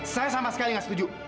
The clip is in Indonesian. saya sama sekali nggak setuju